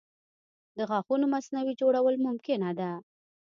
د غاښونو مصنوعي جوړول ممکنه دي.